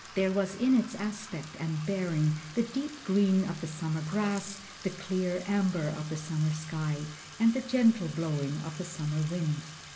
There was in its aspect and bearing the deep green of the summer grass, the clear amber of the summer sky, and the gentle blowing of the summer wind.